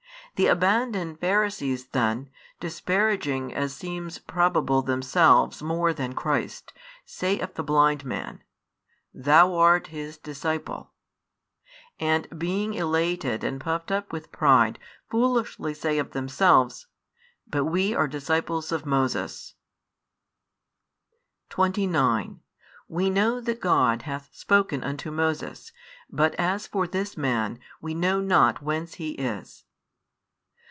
The abandoned Pharisees then, disparaging as seems probable themselves more than Christ, say of the blind man: Thou art His disciple; and being elated and puffed up with pride, foolishly say of themselves: But we are disciples of Moses. 29 We know that God hath spoken unto Moses: but as for this Man, we know not whence He is.